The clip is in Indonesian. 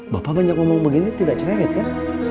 bapak banyak ngomong begini tidak cerewet kan